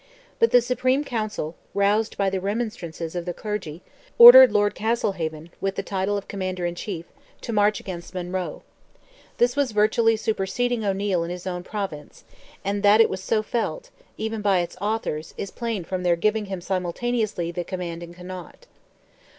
But the Supreme Council, roused by the remonstrances of the clergy, ordered Lord Castlehaven, with the title of Commander in Chief, to march against Monroe. This was virtually superseding O'Neil in his own province, and that it was so felt, even by its authors, is plain from their giving him simultaneously the command in Connaught.